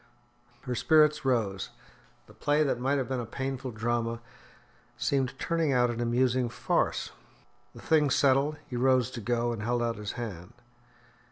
Her spirits rose; the play that might have been a painful drama seemed turning out an amusing farce. The thing settled, he rose to go, and held out his hand.